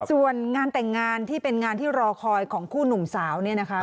ส่วนงานแต่งงานที่เป็นงานที่รอคอยของคู่หนุ่มสาวเนี่ยนะคะ